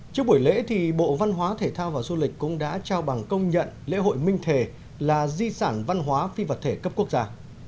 trước buổi lễ thì bộ văn hóa thể thao và du lịch cũng đã trao bằng công nhận lễ hội minh thề là di sản văn hóa phi vật thể cấp quốc gia